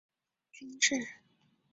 军委办公厅是军委的办事机构。